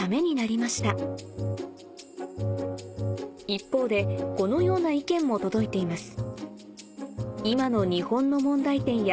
一方でこのような意見も届いています